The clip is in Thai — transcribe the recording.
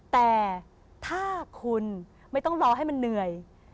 แต่ถ้าคุณไม่ต้องรอให้มันเหนื่อย